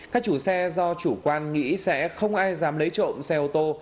các chủ xe do chủ quan nghĩ sẽ không ai dám lấy trộm xe ô tô